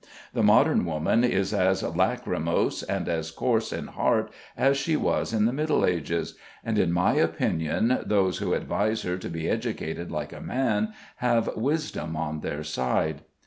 The modern woman is as lachrymose and as coarse in heart as she was in the middle ages. And in my opinion those who advise her to be educated like a man have wisdom on their side.